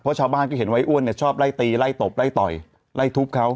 เพราะชาวบ้านก็เห็นไว้อ้วนเนี่ยชอบไล่ตีไล่ตบไล่ต่อยไล่ทุบเขา